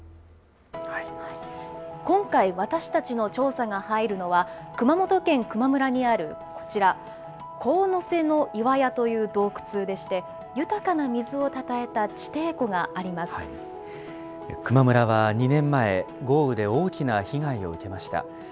今回、私たちの調査が入るのは、熊本県球磨村にあるこちら、神ノ瀬ノ岩屋という洞窟でして、豊かな水をたたえた地底湖があり球磨村は２年前、豪雨で大きな被害を受けました。